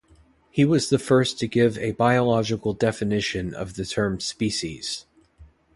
He was the first to give a biological definition of the term "species".